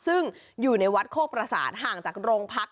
ซึ่งอยู่ในวัดโคกประสานห่างจากโรงพัก